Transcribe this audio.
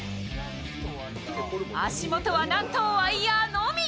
足元はなんとワイヤーのみ。